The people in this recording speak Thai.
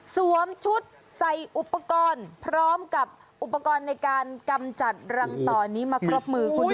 สวมชุดใส่อุปกรณ์พร้อมกับอุปกรณ์ในการกำจัดรังต่อนี้มาครบมือคุณ